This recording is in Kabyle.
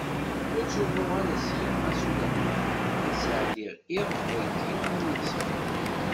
Ur ttruḥuɣ ara ssya, ɣas ulamma ad sɛeddiɣ iḍ dagi, alamma d ṣṣbeḥ.